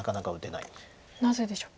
なぜでしょう？